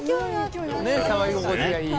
触り心地がいい。